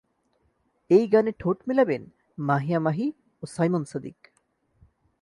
এই গানে ঠোঁট মেলাবেন মাহিয়া মাহি ও সাইমন সাদিক।